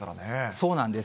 そうなんです。